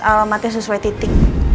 alamatnya sesuai titik